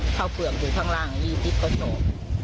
เข้าเปลืองถึงข้างล่าง๒๐ติดก็โจม